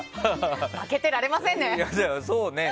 負けてられませんね。